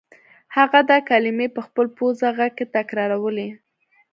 هغه دا کلمې په خپل پوزه غږ کې تکرارولې